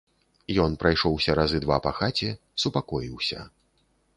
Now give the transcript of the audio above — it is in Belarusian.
Ён прайшоўся разы два па хаце, супакоіўся.